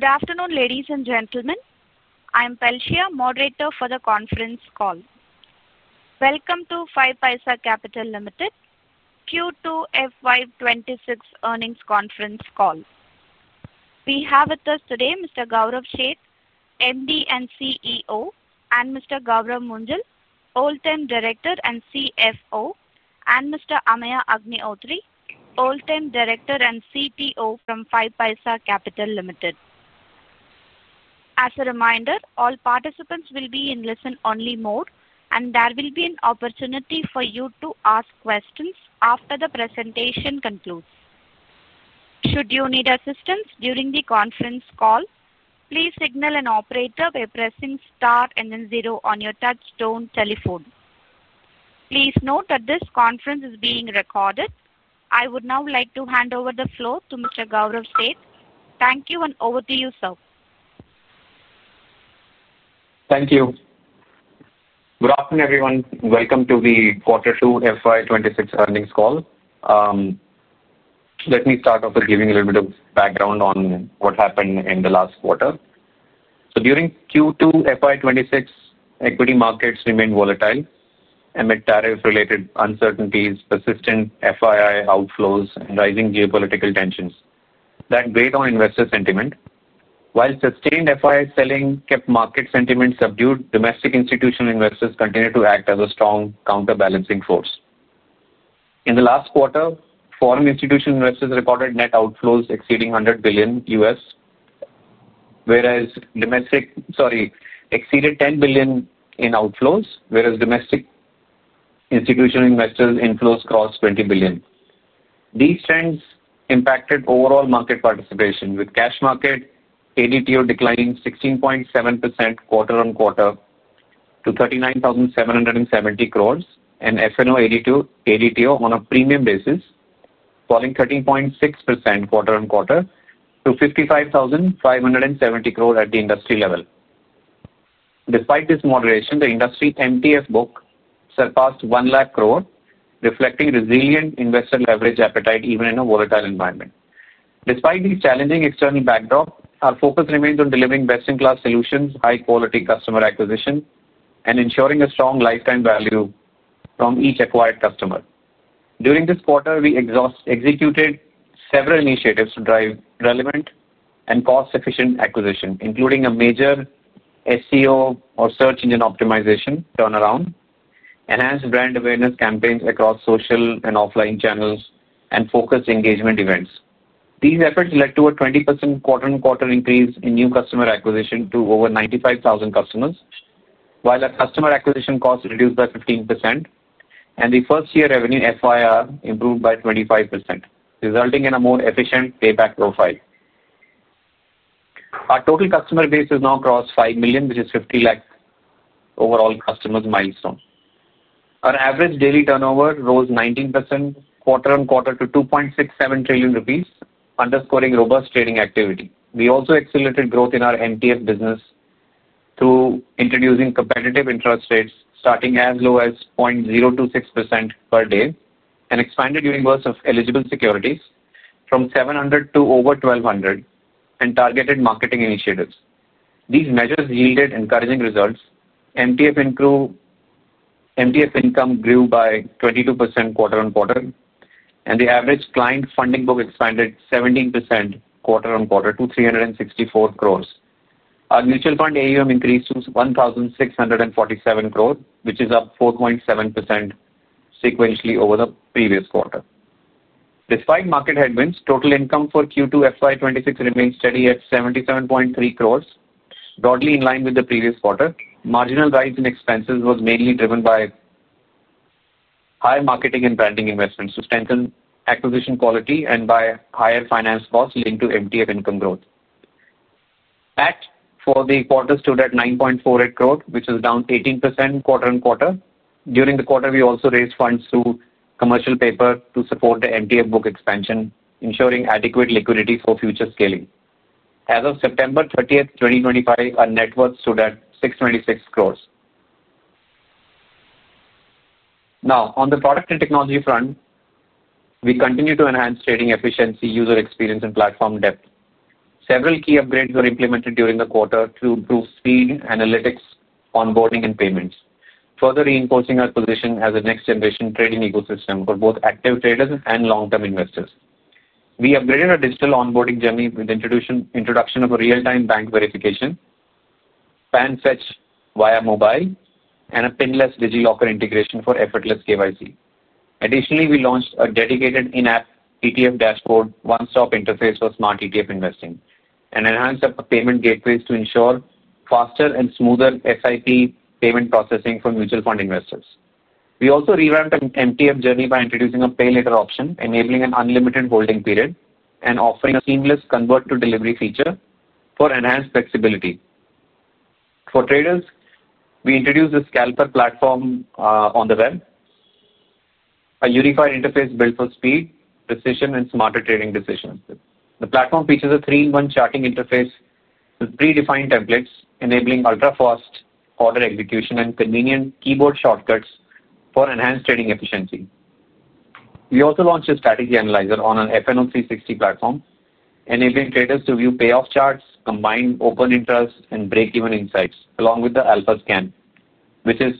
Good afternoon, ladies and gentlemen. I'm Pelsia, moderator for the conference call. Welcome to 5paisa Capital Limited Q2 FY 2026 earnings conference call. We have with us today Mr. Gaurav Seth, MD and CEO, and Mr. Gaurav Munjal, Whole-Time Director and CFO, and Mr. Ameya Agnihotri, Whole-time Director and CTO from 5paisa Capital Limited. As a reminder, all participants will be in listen-only mode, and there will be an opportunity for you to ask questions after the presentation concludes. Should you need assistance during the conference call, please signal an operator by pressing star and then zero on your touch-tone telephone. Please note that this conference is being recorded. I would now like to hand over the floor to Mr. Gaurav Seth. Thank you, and over to you, sir. Thank you. Good afternoon, everyone. Welcome to the quarter two FY 2026 earnings call. Let me start off with giving a little bit of background on what happened in the last quarter. So during Q2 FY 2026, equity markets remained volatile amid tariff-related uncertainties, persistent FII outflows, and rising geopolitical tensions. That weighed on investor sentiment. While sustained FII selling kept market sentiment subdued, domestic institutional investors continued to act as a strong counterbalancing force. In the last quarter, foreign institutional investors recorded net outflows exceeding $100 billion, whereas domestic, sorry, exceeded $10 billion in outflows, whereas domestic institutional investors' inflows crossed $20 billion. These trends impacted overall market participation, with cash market ADTO declining 16.7% quarter-on-quarter to 39,770 crores and F&O ADTO on a premium basis falling 13.6% quarter-on-quarter to 55,570 crores at the industry level. Despite this moderation, the industry MTF book surpassed 1 lakh crore, reflecting resilient investor leverage appetite even in a volatile environment. Despite these challenging external backdrops, our focus remains on delivering best-in-class solutions, high-quality customer acquisition, and ensuring a strong lifetime value from each acquired customer. During this quarter, we executed several initiatives to drive relevant and cost-efficient acquisition, including a major SEO or search engine optimization turnaround, enhanced brand awareness campaigns across social and offline channels, and focused engagement events. These efforts led to a 20% quarter-on-quarter increase in new customer acquisition to over 95,000 customers, while our customer acquisition costs reduced by 15%, and the first-year revenue FYR improved by 25%, resulting in a more efficient payback profile. Our total customer base has now crossed 5 million, which is 50 lakh overall customers' milestone. Our average daily turnover rose 19% quarter-on-quarter to 2.67 trillion rupees, underscoring robust trading activity. We also accelerated growth in our MTF business through introducing competitive interest rates, starting as low as 0.026% per day, an expanded universe of eligible securities from 700 to over 1,200, and targeted marketing initiatives. These measures yielded encouraging results. MTF income grew by 22% quarter-on-quarter, and the average client funding book expanded 17% quarter-on-quarter to 364 crores. Our mutual fund AUM increased to 1,647 crore, which is up 4.7% sequentially over the previous quarter. Despite market headwinds, total income for Q2 FY 2026 remained steady at 77.3 crores, broadly in line with the previous quarter. Marginal rise in expenses was mainly driven by higher marketing and branding investments to strengthen acquisition quality and by higher finance costs linked to MTF income growth. Net for the quarter stood at 9.48 crore, which is down 18% quarter-on-quarter. During the quarter, we also raised funds through commercial paper to support the MTF book expansion, ensuring adequate liquidity for future scaling. As of September 30th, 2025, our net worth stood at 626 crores. Now, on the product and technology front, we continue to enhance trading efficiency, user experience, and platform depth. Several key upgrades were implemented during the quarter to improve speed, analytics, onboarding, and payments, further reinforcing our position as a next-generation trading ecosystem for both active traders and long-term investors. We upgraded our digital onboarding journey with the introduction of real-time bank verification, PAN fetch via mobile, and a PIN-less Digi Locker integration for effortless KYC. Additionally, we launched a dedicated in-app ETF dashboard, one-stop interface for smart ETF investing, and enhanced payment gateways to ensure faster and smoother SIP payment processing for mutual fund investors. We also revamped MTF journey by introducing a Pay Later option, enabling an unlimited holding period and offering a seamless convert-to-delivery feature for enhanced flexibility. For traders, we introduced the Scalper platform on the web, a unified interface built for speed, precision, and smarter trading decisions. The platform features a three-in-one charting interface with predefined templates, enabling ultra-fast order execution and convenient keyboard shortcuts for enhanced trading efficiency. We also launched a strategy analyzer on our FNO360 platform, enabling traders to view payoff charts, combine open interests, and break-even insights, along with the Alpha Scan, which is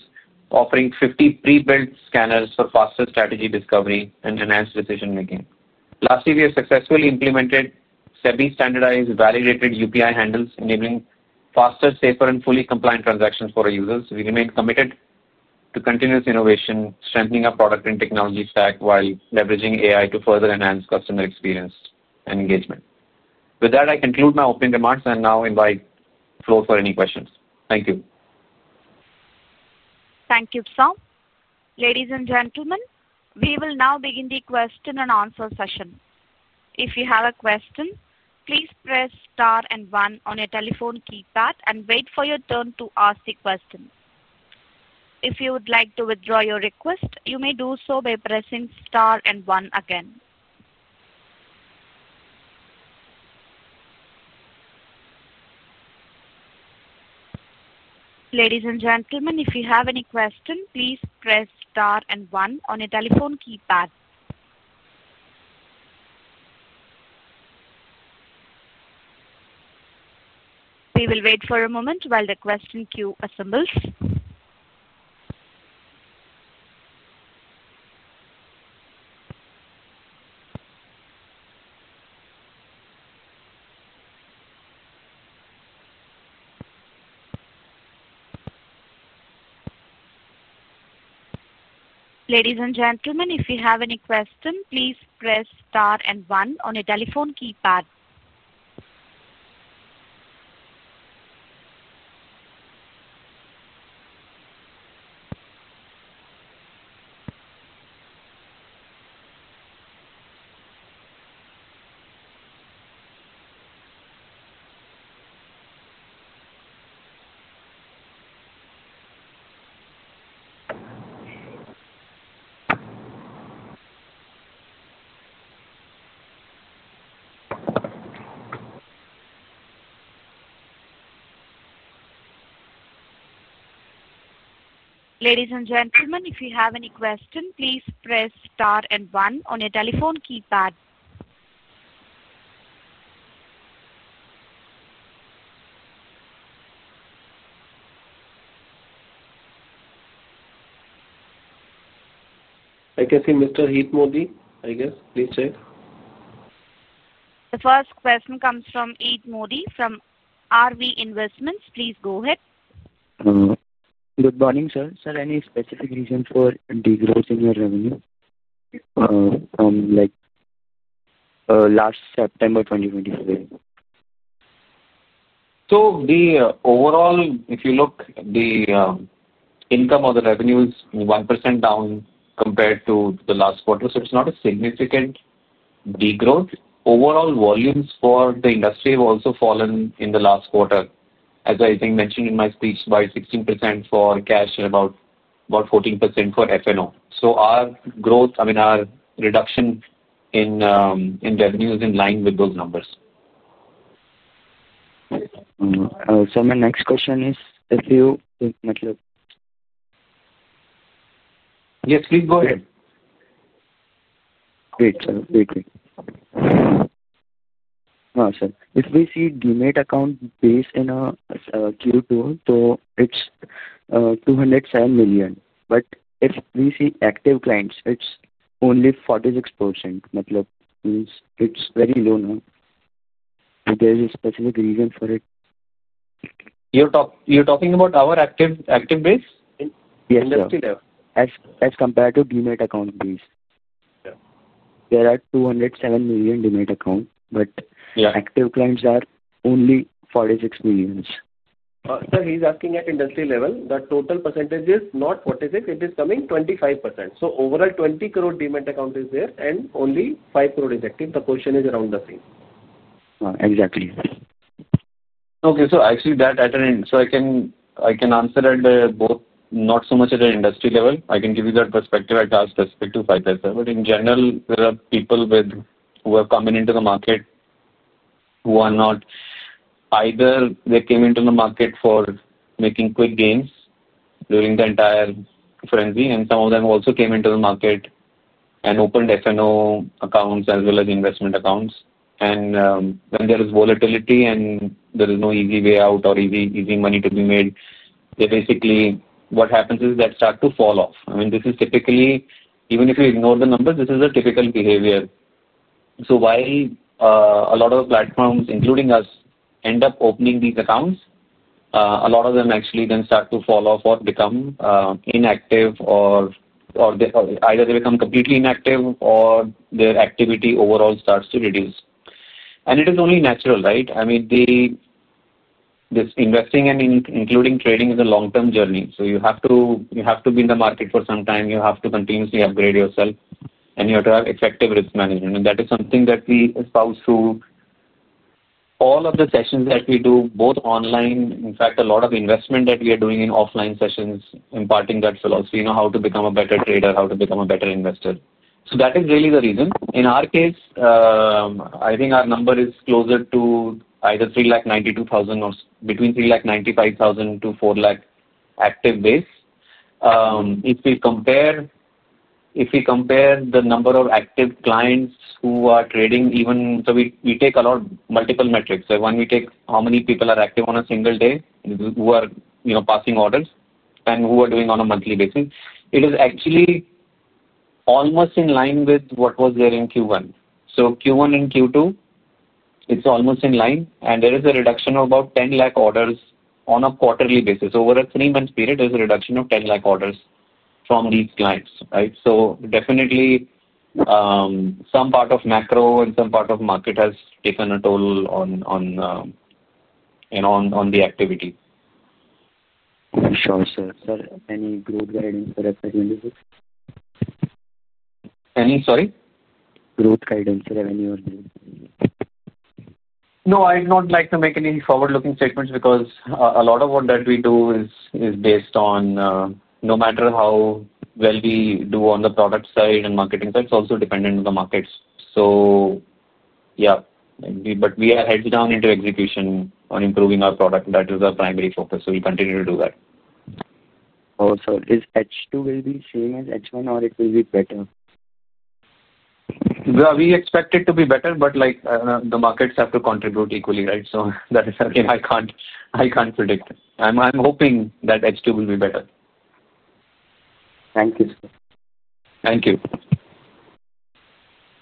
offering 50 pre-built scanners for faster strategy discovery and enhanced decision-making. Lastly, we have successfully implemented semi-standardized validated UPI handles, enabling faster, safer, and fully compliant transactions for our users. We remain committed to continuous innovation, strengthening our product and technology stack while leveraging AI to further enhance customer experience and engagement. With that, I conclude my opening remarks and now invite the floor for any questions. Thank you. Thank you, sir. Ladies and gentlemen, we will now begin the question-and-answer session. If you have a question, please press star and one on your telephone keypad and wait for your turn to ask the question. If you would like to withdraw your request, you may do so by pressing star and one again. Ladies and gentlemen, if you have any question, please press star and one on your telephone keypad. We will wait for a moment while the question queue assembles. Ladies and gentlemen, if you have any question, please press star and one on your telephone keypad. Ladies and gentlemen, if you have any question, please press star and one on your telephone keypad. I can see Mr. Heet Modi, I guess. Please check. The first question comes from Heet Modi from RV Investments. Please go ahead. Good morning, sir. Sir, any specific reason for de-grossing in your revenue from last September 2025? So overall, if you look, the income or the revenue is 1% down compared to the last quarter. So it's not a significant degrowth. Overall, volumes for the industry have also fallen in the last quarter, as I think mentioned in my speech, by 16% for cash and about 14% for F&O. So our growth, I mean, our reduction in revenue is in line with those numbers. Sir, my next question is, if you... Yes, please go ahead. If we see Demat account based in a Q2, so it's 207 million. But if we see active clients, it's only 46%. It's very low now. There's a specific reason for it. You're talking about our active base? Yes. Industry level. As compared to Demat account base, there are 207 million Demat accounts, but active clients are only 46 million. Sir, he's asking at industry level. The total percentage is not 46%; it is coming 25%. So overall, 20 crore Demat account is there, and only 5 crore is active. The question is around the same. Exactly. Okay. So I see that at an end. So I can answer at both, not so much at an industry level. I can give you that perspective at our specific to 5paisa. But in general, there are people who have come into the market who are not either they came into the market for making quick gains during the entire frenzy, and some of them also came into the market and opened F&O accounts as well as investment accounts. And when there is volatility and there is no easy way out or easy money to be made, they basically, what happens is that start to fall off. I mean, this is typically, even if you ignore the numbers, this is a typical behavior. So while a lot of the platforms, including us, end up opening these accounts, a lot of them actually then start to fall off or become inactive, or either they become completely inactive or their activity overall starts to reduce. And it is only natural, right? I mean, this investing and including trading is a long-term journey. So you have to be in the market for some time. You have to continuously upgrade yourself, and you have to have effective risk management. And that is something that we espouse through all of the sessions that we do, both online. In fact, a lot of investment that we are doing in offline sessions imparting that philosophy, how to become a better trader, how to become a better investor. So that is really the reason. In our case, I think our number is closer to either 392,000 or between 395,000 to 4 lakh active base. If we compare the number of active clients who are trading, even, so we take a lot of multiple metrics. When we take how many people are active on a single day who are passing orders and who are doing on a monthly basis, it is actually almost in line with what was there in Q1. So Q1 and Q2, it is almost in line. And there is a reduction of about 10 lakh orders on a quarterly basis. Over a three-month period, there is a reduction of 10 lakh orders from these clients, right? So definitely some part of macro and some part of market has taken a toll on the activity. Sure, sir. Sir, any growth guidance for FY 2026? Any, sorry? Growth guidance for revenue and growth? No, I'd not like to make any forward-looking statements because a lot of what we do is based on no matter how well we do on the product side and marketing side, it's also dependent on the markets. So yeah, but we are heads down into execution on improving our product. That is our primary focus. So we continue to do that. Also, is H2 will be same as H1, or it will be better? We expect it to be better, but the markets have to contribute equally, right? So that is something I can't predict. I'm hoping that H2 will be better. Thank you, sir. Thank you.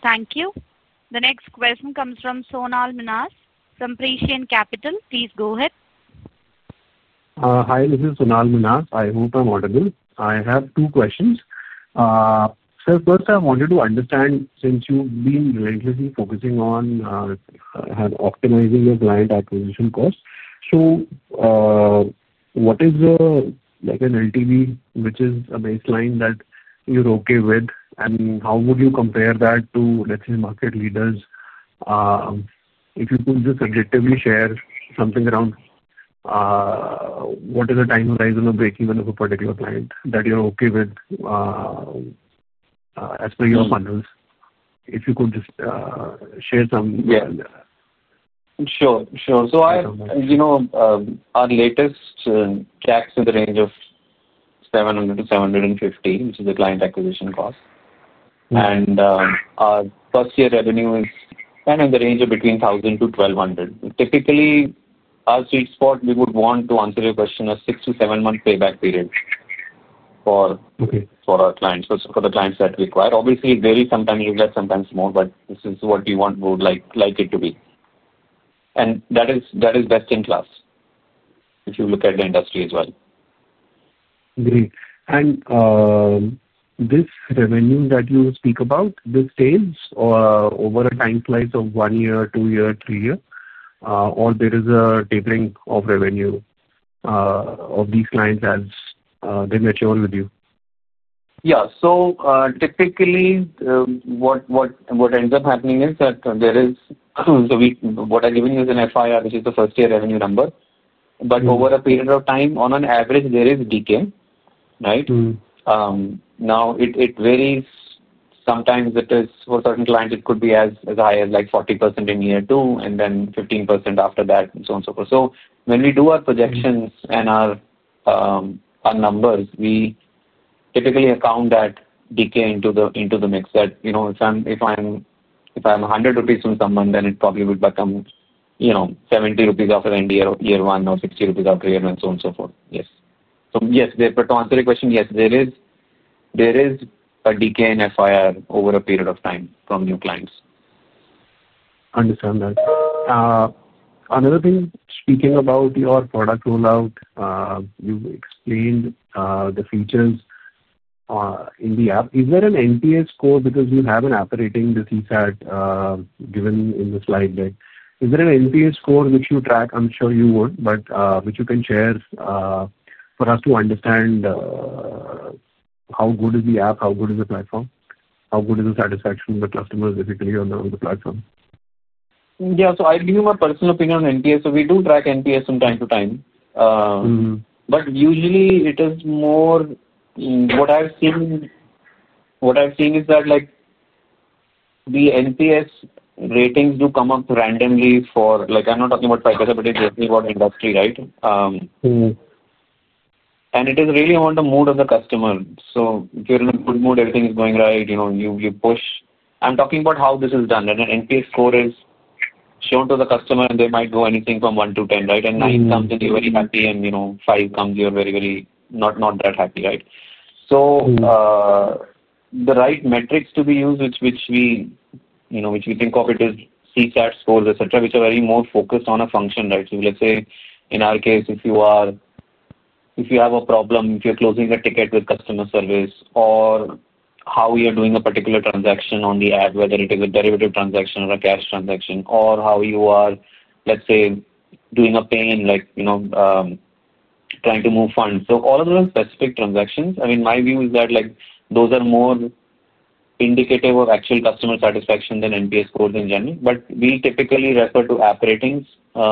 Thank you. The next question comes from Sonal Minhas from Prescient Capital. Please go ahead. Hi, this is Sonal Minhas. I hope I'm audible. I have two questions. Sir, first, I wanted to understand since you've been relentlessly focusing on optimizing your client acquisition costs. So what is an LTV, which is a baseline that you're okay with? And how would you compare that to, let's say, market leaders? If you could just objectively share something around what is the time horizon of break-even of a particular client that you're okay with as per your funnels, if you could just share some. Sure. Sure. So our latest checks are in the range of 700-750, which is the client acquisition cost. And our first-year revenue is kind of in the range of between 1,000-1,200. Typically, our sweet spot, we would want to answer your question, a six to seven-month payback period for our clients, for the clients that we acquire. Obviously, it varies sometimes less, sometimes more, but this is what we would like it to be. And that is best in class if you look at the industry as well. Great, and this revenue that you speak about, this stays over a time slice of one year, two years, three years, or there is a tapering of revenue of these clients as they mature with you? Yeah. So typically, what ends up happening is that there is, so what I'm giving you is an FYR, which is the first-year revenue number. But over a period of time, on an average, there is decay, right? Now, it varies. Sometimes it is, for certain clients, it could be as high as 40% in year two and then 15% after that, and so on and so forth. So when we do our projections and our numbers, we typically account that decay into the mix that if I'm 100 rupees from someone, then it probably would become 70 rupees after end year one or 60 rupees after year one, so on and so forth. Yes. So yes, to answer your question, yes, there is a decay in FYR over a period of time from new clients. Understand that. Another thing, speaking about your product rollout, you've explained the features in the app. Is there an NPS score because you have operating CSAT given in the slide deck? Is there an NPS score which you track? I'm sure you would, but which you can share for us to understand how good is the app, how good is the platform, how good is the satisfaction of the customers basically on the platform? Yeah. So I'll give you my personal opinion on NPS. So we do track NPS from time to time. But usually, it is more what I've seen is that the NPS ratings do come up randomly for, I'm not talking about 5paisa, but it's basically about industry, right? And it is really on the mood of the customer. So if you're in a good mood, everything is going right. You push. I'm talking about how this is done. An NPS score is shown to the customer, and they might go anything from 1-10, right? And nine comes, and you're very happy. And five comes, you're very, very not that happy, right? So the right metrics to be used, which we think of it as CSAT scores, etc., which are very more focused on a function, right? So let's say, in our case, if you have a problem, if you're closing a ticket with customer service or how you're doing a particular transaction on the app, whether it is a derivative transaction or a cash transaction, or how you are, let's say, doing a pay in trying to move funds. So all of those are specific transactions. I mean, my view is that those are more indicative of actual customer satisfaction than NPS scores in general. But we typically refer to app ratings as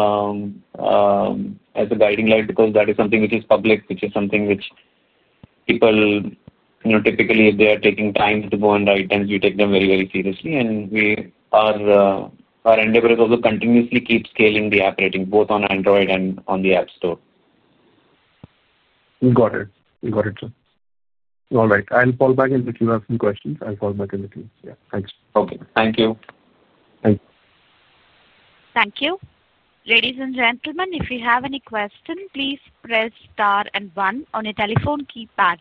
a guiding light because that is something which is public, which is something which people typically, if they are taking time to go and write them, we take them very, very seriously. And our endeavor is also to continuously keep scaling the app rating, both on Android and on the App Store. Got it. Got it, sir. All right. I'll fall back in if you have some questions. I'll fall back in if you—yeah. Thanks. Okay. Thank you. Thanks. Thank you. Ladies and gentlemen, if you have any question, please press star and one on your telephone keypad.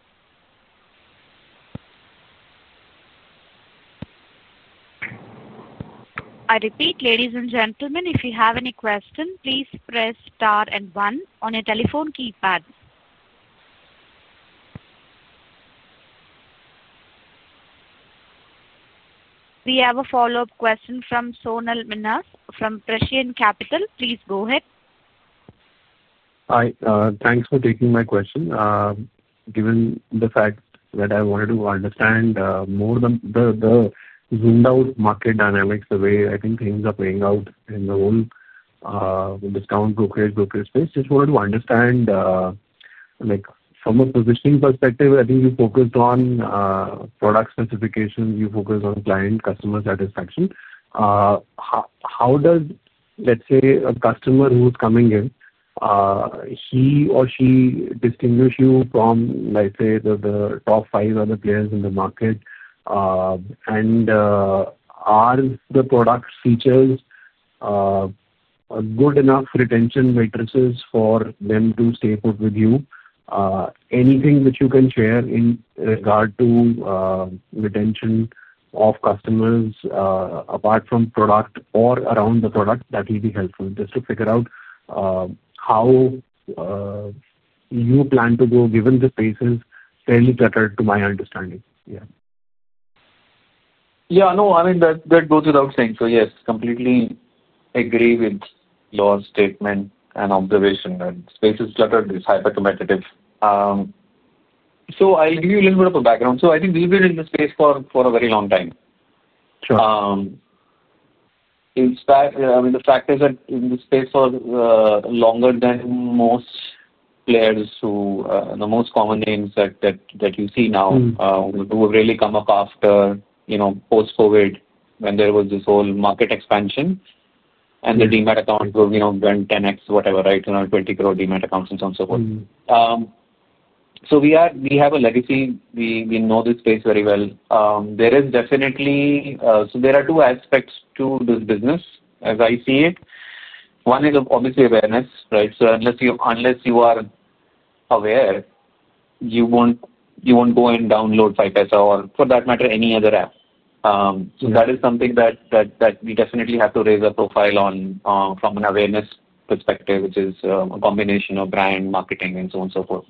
I repeat, ladies and gentlemen, if you have any question, please press star and one on your telephone keypad. We have a follow-up question from Sonal Minhas from Prescient Capital. Please go ahead. Hi. Thanks for taking my question. Given the fact that I wanted to understand more the zoomed-out market dynamics, the way I think things are playing out in the whole discount brokerage, brokerage space, just wanted to understand from a positioning perspective, I think you focused on product specifications. You focused on client customer satisfaction. How does, let's say, a customer who's coming in, he or she distinguish you from, let's say, the top five other players in the market? And are the product features good enough retention metrics for them to stay put with you? Anything which you can share in regard to retention of customers apart from product or around the product, that will be helpful just to figure out how you plan to go given the space is fairly cluttered, to my understanding? Yeah. Yeah. No, I mean, that goes without saying. So yes, completely agree with your statement and observation. Space is cluttered. It's hyper-competitive. So I'll give you a little bit of a background. So I think we've been in the space for a very long time. I mean, the fact is that in this space for longer than most players who the most common names that you see now who have really come up after post-COVID when there was this whole market expansion and the Demat accounts were 10x, whatever, right? 20 crore Demat accounts and so on and so forth. So we have a legacy. We know this space very well. There is definitely so there are two aspects to this business as I see it. One is obviously awareness, right? So unless you are aware, you won't go and download 5paisa or for that matter, any other app. That is something that we definitely have to raise a profile on from an awareness perspective, which is a combination of brand, marketing, and so on and so forth.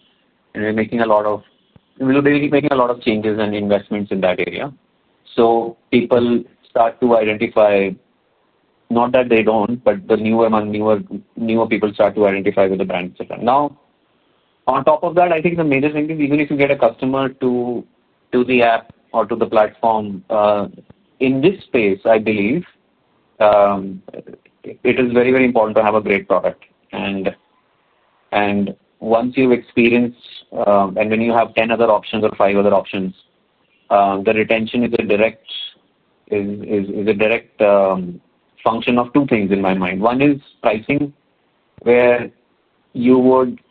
And we're basically making a lot of changes and investments in that area. So people start to identify not that they don't, but the newer and newer people start to identify with the brand, etc. Now, on top of that, I think the major thing is even if you get a customer to the app or to the platform in this space, I believe it is very, very important to have a great product. And once you've experienced and when you have 10 other options or five other options, the retention is a direct function of two things in my mind. One is pricing, where you would,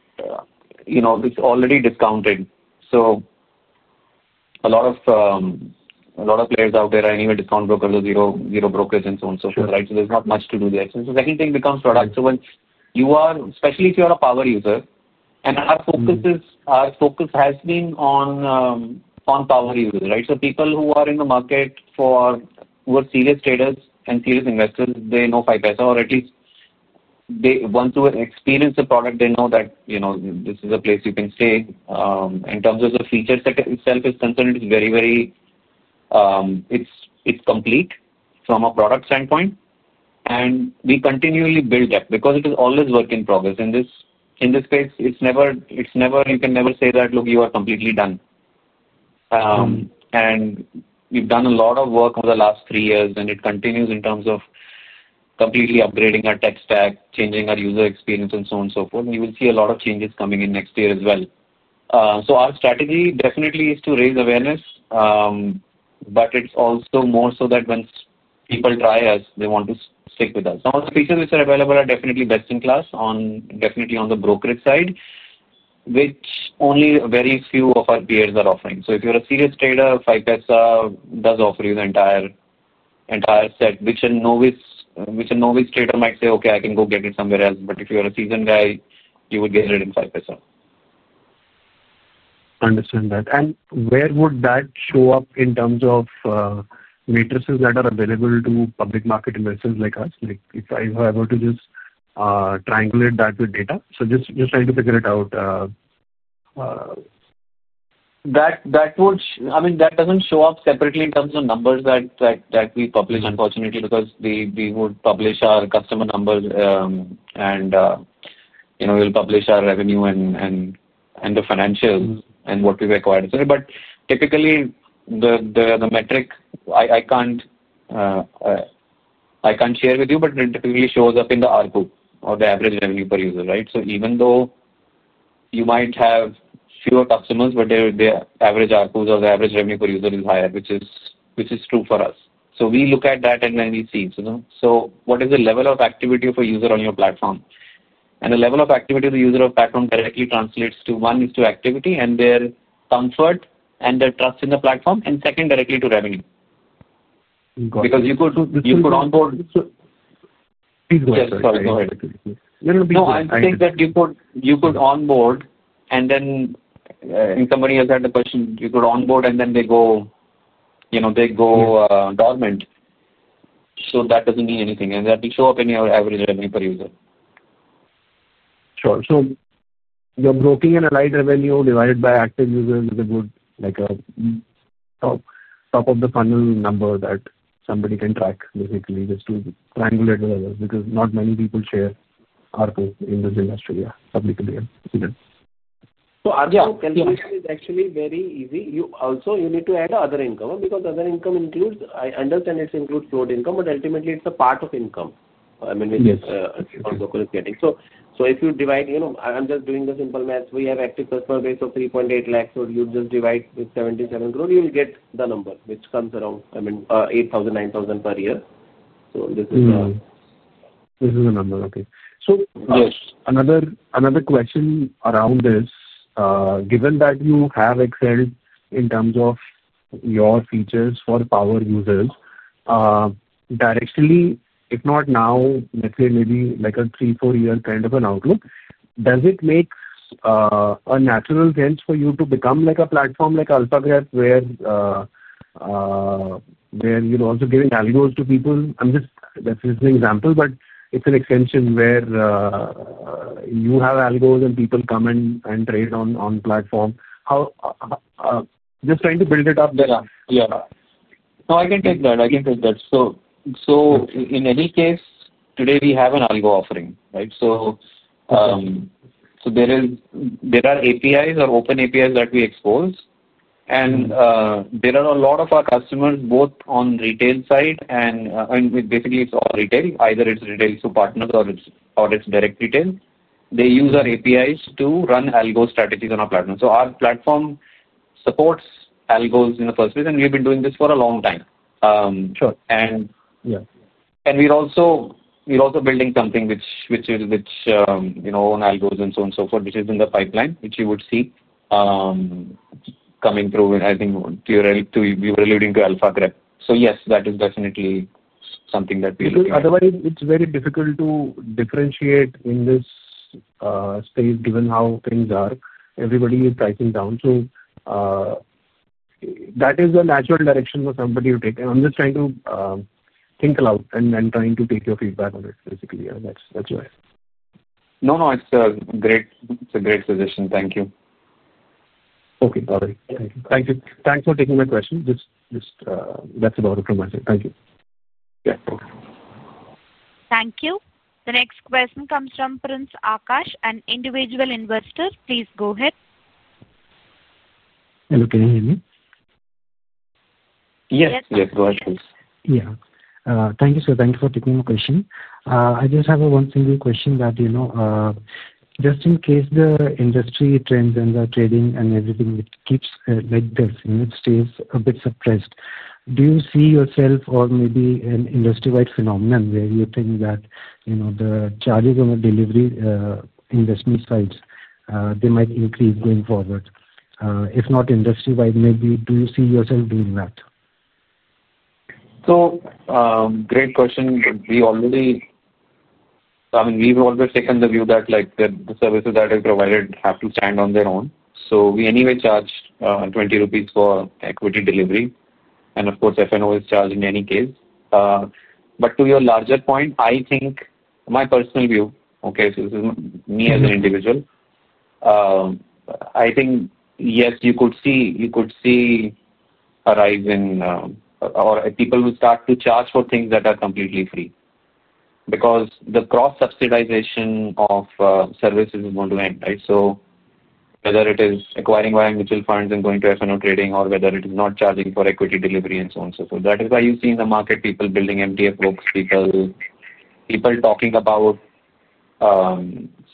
it's already discounted. So a lot of players out there are anyway discount brokers or zero brokers and so on and so forth, right? So there's not much to do there. So the second thing becomes product. So especially if you're a power user, and our focus has been on power users, right? So people who are in the market who are serious traders and serious investors, they know 5paisa, or at least once you experience the product, they know that this is a place you can stay. In terms of the feature set itself is concerned, it's very, very complete from a product standpoint. And we continually build that because it is always work in progress. In this space, you can never say that, "Look, you are completely done." And we've done a lot of work over the last three years, and it continues in terms of completely upgrading our tech stack, changing our user experience, and so on and so forth. And you will see a lot of changes coming in next year as well. So our strategy definitely is to raise awareness, but it's also more so that when people try us, they want to stick with us. Now, the features which are available are definitely best in class, definitely on the brokerage side, which only very few of our peers are offering. So if you're a serious trader, 5paisa does offer you the entire set, which a novice trader might say, "Okay, I can go get it somewhere else." But if you're a seasoned guy, you would get it in 5paisa. Understand that. And where would that show up in terms of metrics that are available to public market investors like us? If I were to just triangulate that with data, so just trying to figure it out. I mean, that doesn't show up separately in terms of numbers that we publish, unfortunately, because we would publish our customer number, and we'll publish our revenue and the financials and what we've acquired, etc. But typically, the metric I can't share with you, but it typically shows up in the ARPU or the average revenue per user, right? So even though you might have fewer customers, but the average ARPUs or the average revenue per user is higher, which is true for us. So we look at that, and then we see. So what is the level of activity of a user on your platform? And the level of activity of the user of the platform directly translates to one is to activity and their comfort and their trust in the platform, and second, directly to revenue. Got it. Because you could onboard. Yes. Sorry. Go ahead. No, I think that you could onboard, and then somebody else had the question. You could onboard, and then they go dormant, so that doesn't mean anything, and that will show up in your average revenue per user. Sure, so your broking income light revenue divided by active users is a good top-of-the-funnel number that somebody can track, basically, just to triangulate with others because not many people share ARPU in this industry, yeah, publicly. Our focus is actually very easy. Also, you need to add other income because other income includes I understand it includes float income, but ultimately, it's a part of income. I mean, which is what local is getting. So if you divide I'm just doing the simple math. We have active customer base of 3.8 lakhs, so you just divide with 77 crore, you'll get the number, which comes around, I mean, 8,000, 9,000 per year. So this is the. This is the number. Okay. So another question around this, given that you have excelled in terms of your features for power users, directionally, if not now, let's say maybe a three, four-year kind of an outlook, does it make a natural sense for you to become a platform like AlphaGrep, where you're also giving algos to people? I'm just, that's just an example, but it's an extension where you have algos and people come and trade on platform. Just trying to build it up. Yeah. Yeah. No, I can take that. I can take that. So in any case, today, we have an algo offering, right? So there are APIs or open APIs that we expose. And there are a lot of our customers, both on retail side and I mean, basically, it's all retail. Either it's retail through partners or it's direct retail. They use our APIs to run algo strategies on our platform. So our platform supports algos in the first place, and we've been doing this for a long time. And we're also building something which is our own algos and so on and so forth, which is in the pipeline, which you would see coming through, I think, too. You were alluding to AlphaGrep. So yes, that is definitely something that we're looking at. Because otherwise, it's very difficult to differentiate in this space given how things are. Everybody is pricing down. So that is a natural direction for somebody to take. And I'm just trying to think aloud and trying to take your feedback on it, basically. That's why. No, no. It's a great suggestion. Thank you. Okay. All right. Thank you. Thank you. Thanks for taking my question. That's about it from my side. Thank you. Yeah. Thank you. The next question comes from Prince Aakash, an individual investor. Please go ahead. Hello. Can you hear me? Yes. Yes. Go ahead, please. Yeah. Thank you, sir. Thank you for taking my question. I just have one single question that just in case the industry trends and the trading and everything keeps like this, it stays a bit suppressed. Do you see yourself or maybe an industry-wide phenomenon where you think that the charges on the delivery investment side, they might increase going forward? If not industry-wide, maybe do you see yourself doing that? Great question. We already, I mean, we've always taken the view that the services that are provided have to stand on their own. We anyway charge 20 rupees for equity delivery. Of course, F&O is charged in any case. To your larger point, I think my personal view, okay, so this is me as an individual, I think, yes, you could see a rise in or people will start to charge for things that are completely free because the cross-subsidization of services is going to end, right? Whether it is acquiring via mutual funds and going to F&O trading, or whether it is not charging for equity delivery and so on and so forth. That is why you see in the market people building MTF books, people talking about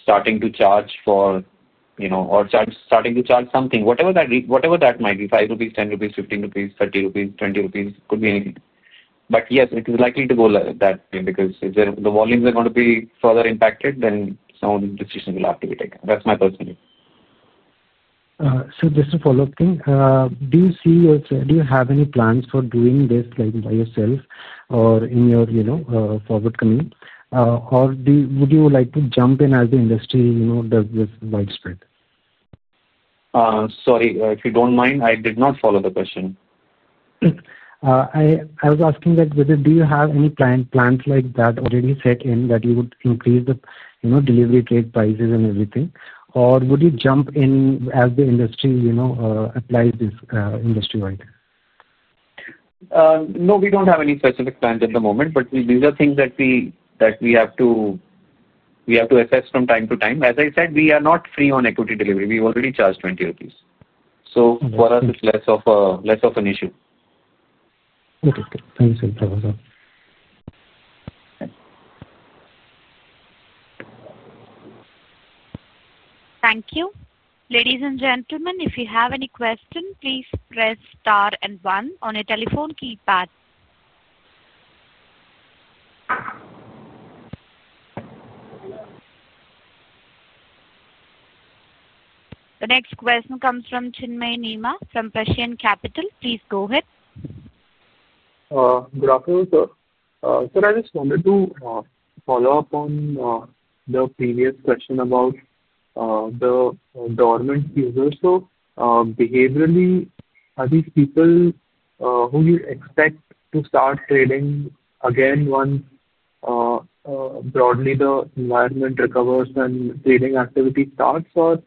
starting to charge for or starting to charge something, whatever that might be, 5 rupees, 10 rupees, 15 rupees, 30 rupees, 20 rupees, could be anything. But yes, it is likely to go that way because the volumes are going to be further impacted, then some of the decisions will have to be taken. That's my personal view. So just a follow-up thing. Do you have any plans for doing this by yourself or in your forthcoming? Or would you like to jump in as the industry does this widespread? Sorry, if you don't mind, I did not follow the question. I was asking that whether do you have any plans like that already set in that you would increase the delivery rate prices and everything? Or would you jump in as the industry applies this industry-wide? No, we don't have any specific plans at the moment, but these are things that we have to assess from time to time. As I said, we are not free on equity delivery. We already charge 20 rupees. So for us, it's less of an issue. Okay. Good. Thank you so much. Thank you. Ladies and gentlemen, if you have any question, please press star and one on your telephone keypad. The next question comes from Chinmay Nema from Prescient Capital. Please go ahead. Good afternoon, sir. So I just wanted to follow up on the previous question about the dormant users. So behaviorally, are these people who you expect to start trading again once broadly the environment recovers and trading activity starts? Or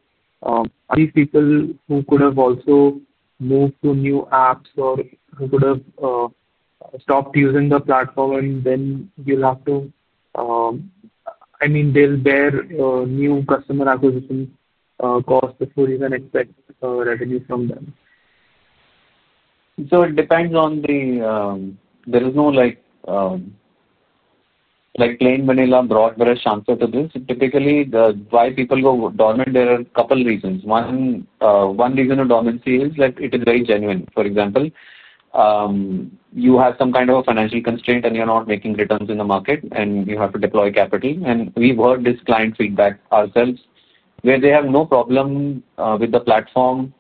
are these people who could have also moved to new apps or who could have stopped using the platform, and then you'll have to I mean, they'll bear new customer acquisition costs before you can expect revenue from them? It depends. There is no plain vanilla broad brush answer to this. Typically, why people go dormant, there are a couple of reasons. One reason of dormancy is that it is very genuine. For example, you have some kind of a financial constraint, and you're not making returns in the market, and you have to deploy capital. And we've heard this client feedback ourselves, where they have no problem with the platform.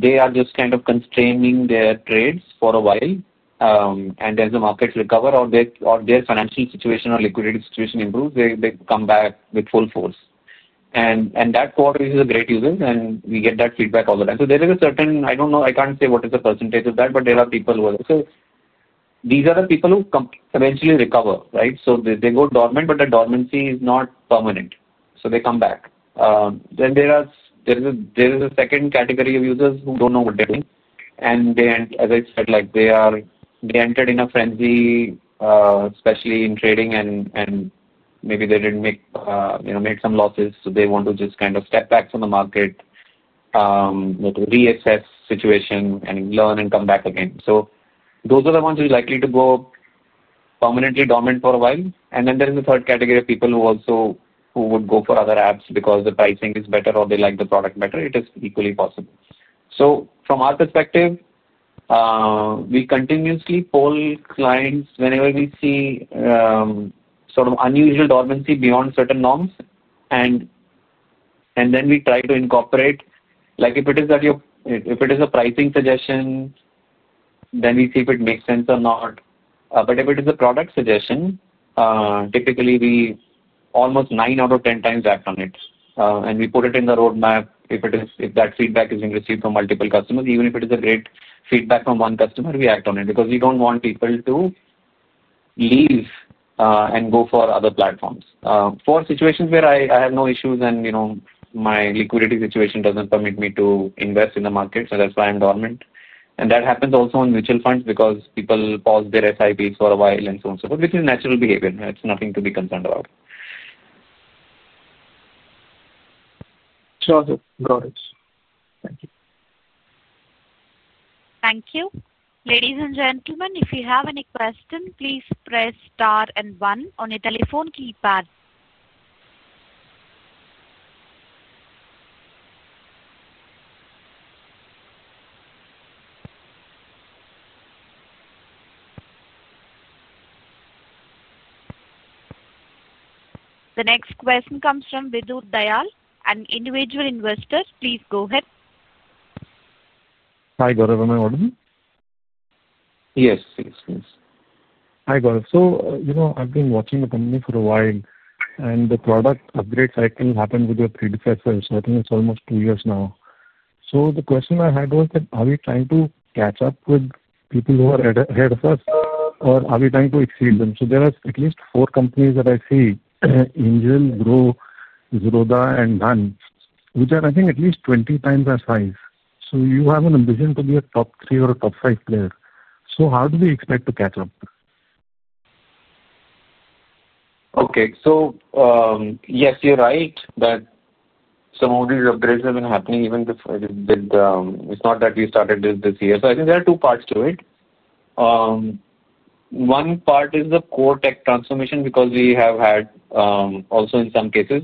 They are just kind of constraining their trades for a while. And as the markets recover or their financial situation or liquidity situation improves, they come back with full force. And that core is a great user, and we get that feedback all the time. There is a certain I don't know. I can't say what is the percentage of that, but there are people who are so these are the people who eventually recover, right? So they go dormant, but the dormancy is not permanent. So they come back. Then there is a second category of users who don't know what they're doing. And as I said, they entered in a frenzy, especially in trading, and maybe they didn't make some losses, so they want to just kind of step back from the market, reassess the situation, and learn and come back again. So those are the ones who are likely to go permanently dormant for a while. And then there is a third category of people who would go for other apps because the pricing is better or they like the product better. It is equally possible. So from our perspective, we continuously poll clients whenever we see sort of unusual dormancy beyond certain norms. And then we try to incorporate if it is a pricing suggestion, then we see if it makes sense or not. But if it is a product suggestion, typically, we almost nine out of 10 times act on it. And we put it in the roadmap if that feedback is being received from multiple customers. Even if it is a great feedback from one customer, we act on it because we don't want people to leave and go for other platforms. For situations where I have no issues and my liquidity situation doesn't permit me to invest in the market, so that's why I'm dormant. That happens also on mutual funds because people pause their SIPs for a while and so on and so forth, which is natural behavior. It's nothing to be concerned about. Sure. Got it. Thank you. Thank you. Ladies and gentlemen, if you have any question, please press star and one on your telephone keypad. The next question comes from Vidur Dayal. An individual investor. Please go ahead. Hi, Gaurav. Am I audible? Yes. Yes. Yes. Hi, Gaurav. So I've been watching the company for a while, and the product upgrade cycle happened with your predecessors. I think it's almost two years now. So the question I had was that, are we trying to catch up with people who are ahead of us, or are we trying to exceed them? So there are at least four companies that I see: Angel, Groww, Zerodha, and Dhan, which are, I think, at least 20x our size. So you have an ambition to be a top three or a top five player. So how do we expect to catch up? Okay. So yes, you're right that some of these upgrades have been happening even with it's not that we started this year. So I think there are two parts to it. One part is the core tech transformation because we have had, also in some cases,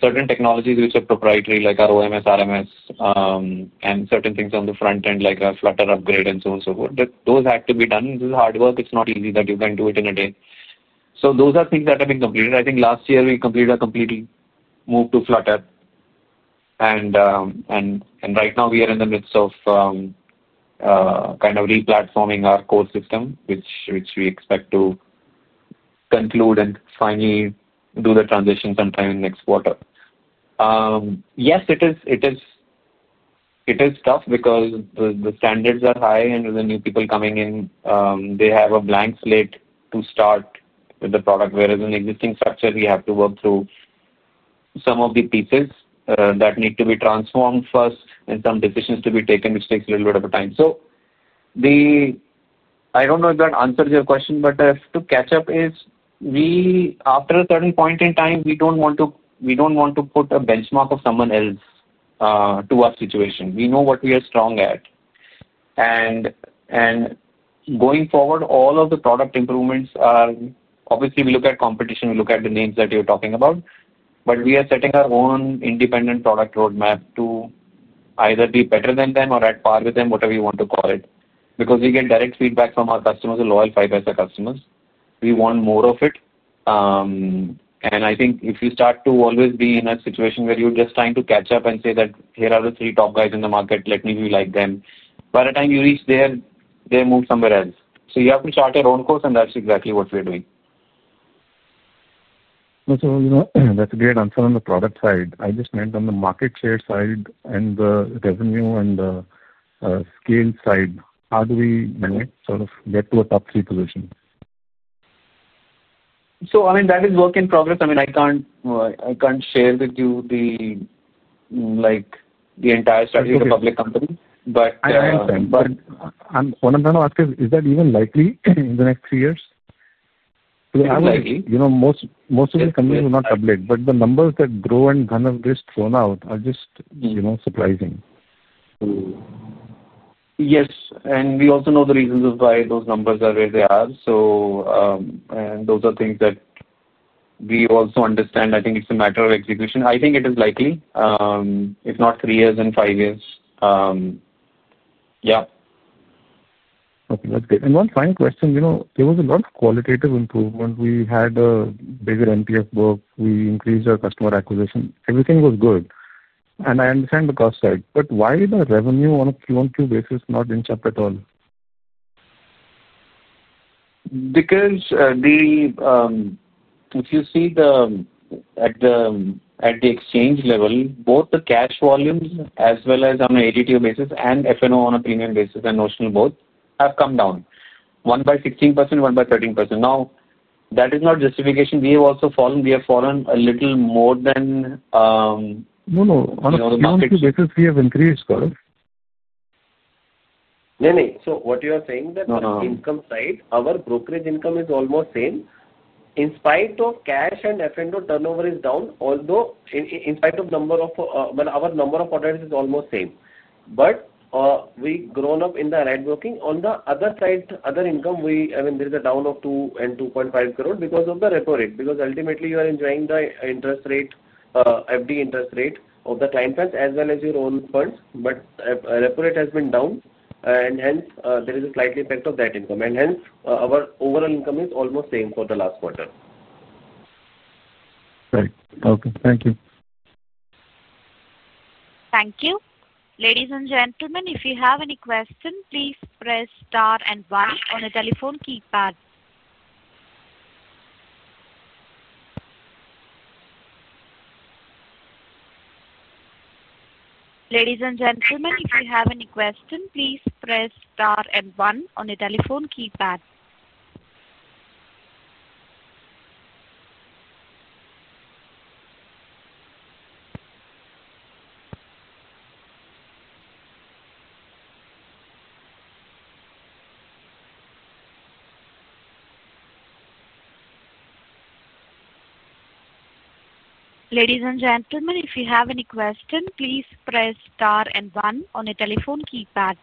certain technologies which are proprietary, like ROMS, RMS, and certain things on the front end, like our Flutter upgrade and so on and so forth. Those had to be done. This is hard work. It's not easy that you can do it in a day. So those are things that have been completed. I think last year, we completed a complete move to Flutter. And right now, we are in the midst of kind of replatforming our core system, which we expect to conclude and finally do the transition sometime in next quarter. Yes, it is tough because the standards are high, and there are new people coming in. They have a blank slate to start with the product, whereas in existing structure, we have to work through some of the pieces that need to be transformed first and some decisions to be taken, which takes a little bit of a time. So I don't know if that answers your question, but to catch up is, after a certain point in time, we don't want to put a benchmark of someone else to our situation. We know what we are strong at. And going forward, all of the product improvements are obviously, we look at competition. We look at the names that you're talking about. But we are setting our own independent product roadmap to either be better than them or at par with them, whatever you want to call it, because we get direct feedback from our customers, the loyal 5paisa customers. We want more of it. And I think if you start to always be in a situation where you're just trying to catch up and say that, "Here are the three top guys in the market. Let me be like them," by the time you reach there, they're moved somewhere else. So you have to chart your own course, and that's exactly what we're doing. So that's great. On the product side, I just meant on the market share side and the revenue and the scale side, how do we sort of get to a top three position? So I mean, that is work in progress. I mean, I can't share with you the entire strategy of the public company, but. I understand. But what I'm trying to ask is, is that even likely in the next three years? It's unlikely. Most of the companies will not publish, but the numbers that Groww and Zerodha have just thrown out are just surprising. Yes. And we also know the reasons of why those numbers are where they are. And those are things that we also understand. I think it's a matter of execution. I think it is likely, if not three years and five years. Yeah. Okay. That's great. And one final question. There was a lot of qualitative improvement. We had a bigger MTF book. We increased our customer acquisition. Everything was good. And I understand the cost side. But why is the revenue on a Q1, Q2 basis not in check at all? Because if you see at the exchange level, both the cash volumes as well as on an ADTO basis and F&O on a premium basis and notional both have come down, one by 16%, one by 13%. Now, that is not justification. We have also fallen. We have fallen a little more than. No, no. On a quantity basis, we have increased, Gaurav. No, no. So what you are saying that the income side, our brokerage income is almost same. In spite of cash and F&O turnover is down, although the number of orders is almost same. But we've grown up in the net revenue. On the other side, other income, I mean, there is a down of 2 crore and 2.5 crore because of the repo rate. Because ultimately, you are enjoying the interest rate, FD interest rate of the client funds as well as your own funds. But repo rate has been down, and hence, there is a slight effect of that income. And hence, our overall income is almost same for the last quarter. Right. Okay. Thank you. Thank you. Ladies and gentlemen, if you have any question, please press star and one on your telephone keypad. Ladies and gentlemen, if you have any question, please press star and one on your telephone keypad. Ladies and gentlemen, if you have any question, please press star and one on your telephone keypad.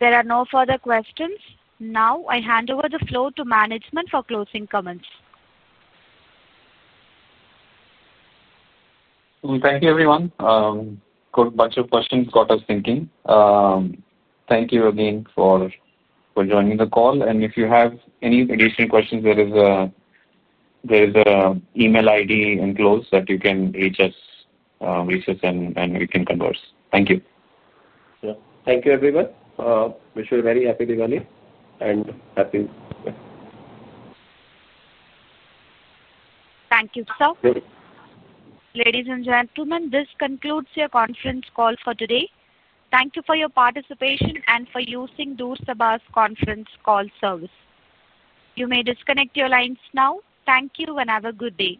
There are no further questions. Now, I hand over the floor to management for closing comments. Thank you, everyone. A bunch of questions got us thinking. Thank you again for joining the call, and if you have any additional questions, there is an email ID enclosed that you can reach us, and we can converse. Thank you. Sure. Thank you, everyone. Wish you a very Happy Diwali. Thank you, sir. Ladies and gentlemen, this concludes your conference call for today. Thank you for your participation and for using Door Sabha's conference call service. You may disconnect your lines now. Thank you and have a good day.